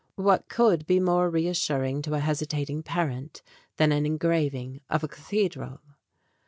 What could be more reassuring to a hesitat ing parent than an engraving of a cathedral?